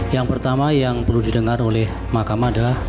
yang pertama yang perlu didengar oleh makamada